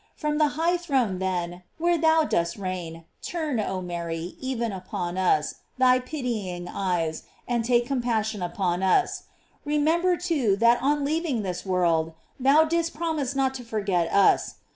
From the high throne then, where thou dost reign, turn, oh Mary, even upon us, thy pitying eyes, and take com passion upon us. Remember, too, that on leav ing this world, thou didst promise not to forget us.